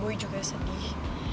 boy juga sedih